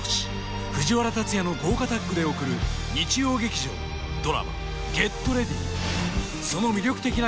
藤原竜也の豪華タッグで送る日曜劇場ドラマ「ＧｅｔＲｅａｄｙ！」